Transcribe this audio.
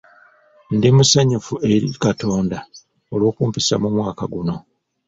Ndi musanyufu eri Katonda olw'okumpisa mu mwaka guno.